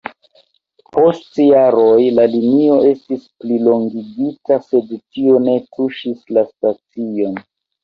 Post jaroj la linio estis plilongigita, sed tio ne tuŝis la stacion.